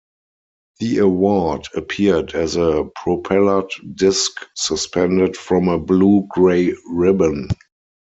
The award appeared as a propellered disc suspended from a blue-grey ribbon.